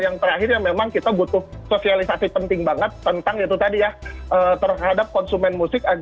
yang terakhir yang memang kita butuh sosialisasi penting banget tentang itu tadi ya terhadap konsumen musik